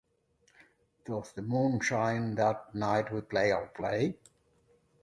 Doth the moon shine that night we play our play?